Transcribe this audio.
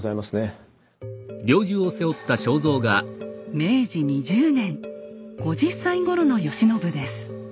明治２０年５０歳ごろの慶喜です。